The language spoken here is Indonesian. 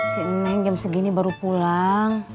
si neng jam segini baru pulang